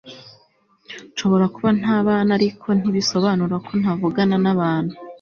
nshobora kuba ntabana, ariko ntibisobanura ko ntavugana nabantu